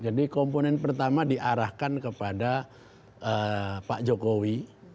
jadi komponen pertama diarahkan kepada pak jokowi